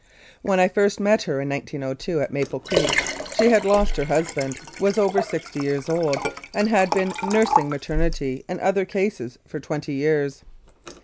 When I first met her in 1902 at Maple Creek she had lost her husband, was over sixty years old, and had then been nursing maternity and other cases for twenty years.